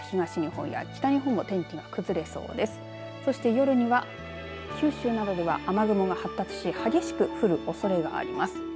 夜には九州南部には雨雲が発達し激しく降るおそれがあります。